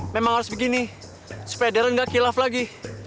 memang harus begini supaya darren gak kilaf lagi